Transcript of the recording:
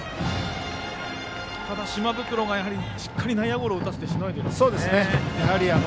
ただ島袋がしっかり内野ゴロを打たせてしのいでいます。